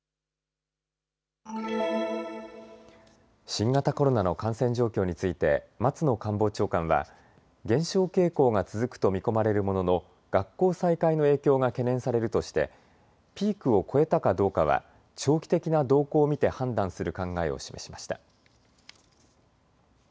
新型コロナの感染状況について松野官房長官は減少傾向が続くと見込まれるものの学校再開の影響が懸念されるとしてピークを越えたかどうかは長期的な動向を見て判断する考えを示しました。